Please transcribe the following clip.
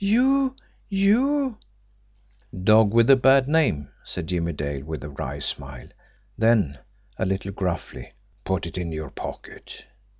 You you " "Dog with a bad name," said Jimmie Dale, with a wry smile; then, a little gruffly: "Put it in your pocket!"